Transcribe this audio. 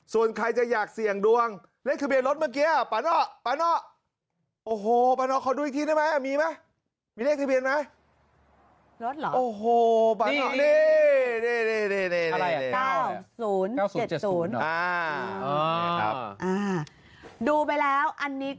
ส่วนใครจะอยากเสี่ยงดวงเลขทะเบียนรถเมื่อกี้ปานอก